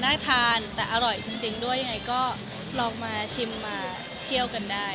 น่าทานแต่อร่อยจริงด้วยยังไงก็ลองมาชิมมาเที่ยวกันได้